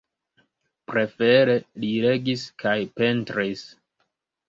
Prefere li legis kaj pentris.